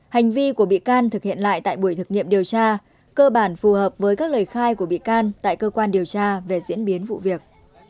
hành vi của bị can thực hiện lại tại buổi thực nghiệm điều tra cơ bản phù hợp với các lời khai của bị can tại cơ quan điều tra về diễn biến vụ việc